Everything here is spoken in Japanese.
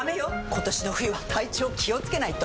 今年の冬は体調気をつけないと！